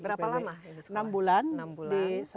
berapa lama ini sekolah